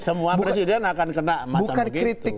semua presiden akan kena macam begitu